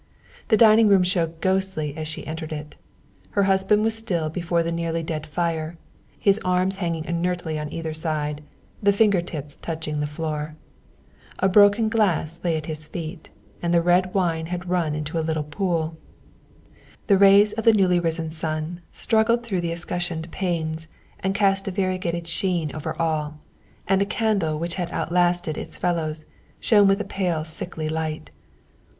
The dining room showed ghostly as she entered it. Her husband was still before the nearly dead fire, his arms hanging inertly on either side, the finger tips touching the floor. A broken glass lay at his feet, and the red wine had run into a little pool. The rays of the newly risen sun struggled through the escutcheoned panes and cast a variegated sheen over all, and a candle which had outlasted its fellows shone with a pale sickly light.